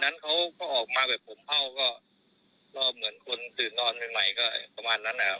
ตอนเขาสวยตอนเขาแต่งหน้าแต่งจาด้าว่ะ